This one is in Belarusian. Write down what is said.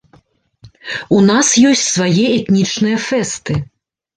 У нас ёсць свае этнічныя фэсты.